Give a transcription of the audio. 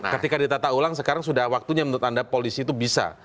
ketika ditata ulang sekarang sudah waktunya menurut anda polisi itu bisa